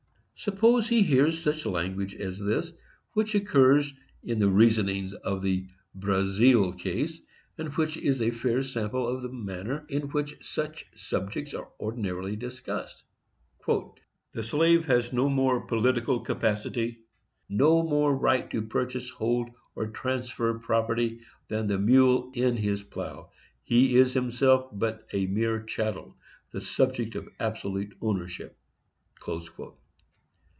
Suppose he hears such language as this, which occurs in the reasonings of the Brazealle case, and which is a fair sample of the manner in which such subjects are ordinarily discussed. "The slave has no more political capacity, no more right to purchase, hold or transfer property, than the mule in his plough; he is in himself but a mere chattel,—the subject of absolute ownership."